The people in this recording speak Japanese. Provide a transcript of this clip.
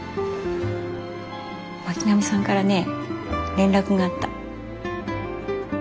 巻上さんからね連絡があった。